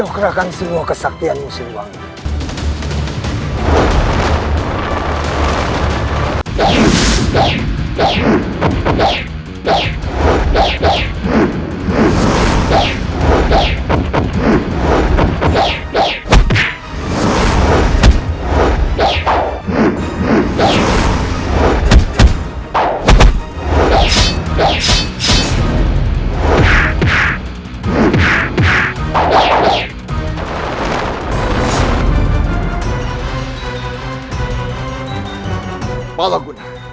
kekuatan raden walang susang